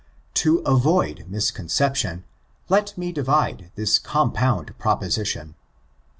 To avoid misconception, let me divide this compound proposition.